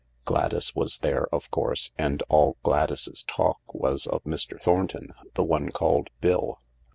Gladys was there, of course, and all Gladys's talk was of Mr. Thornton — the one called Bill.